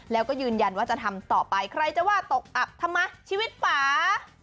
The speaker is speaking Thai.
แล้วก็ยืนยันว่าจะทำต่อไปใครจะว่าตกอับทำไมชีวิตป่า